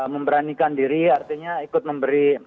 memberanikan diri artinya ikut memberi